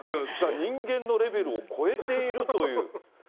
人間のレベルを超えているという。